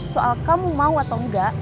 soal kamu mau atau enggak